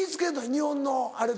日本のあれと。